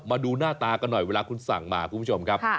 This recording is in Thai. มาดูหน้าตากันหน่อยเวลาคุณสั่งมาคุณผู้ชมครับ